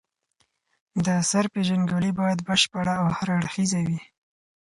د اثر پېژندګلوي باید بشپړه او هر اړخیزه وي.